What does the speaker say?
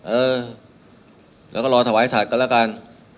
เออแล้วก็รอถวายถัดกันละกัน